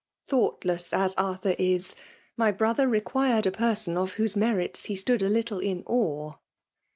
Thoughtless as Arthur is, my brother required a person of whose merits he stood a little in awe.'